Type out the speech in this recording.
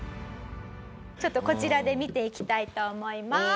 ちょっとこちらで見ていきたいと思います！